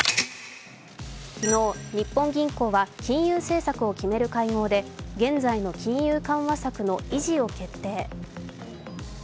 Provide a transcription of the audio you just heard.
昨日、日本銀行は金融政策を決める会合で現在の金融緩和策の維持を決定。